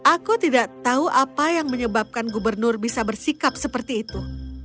aku tidak tahu apa yang menyebabkan gubernur bisa bersikap seperti itu